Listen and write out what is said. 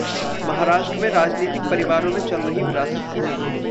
महाराष्ट्र में राजनीतिक परिवारों में चल रही विरासत की जंग